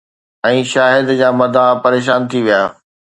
۽ شاهد جا مداح پريشان ٿي ويا.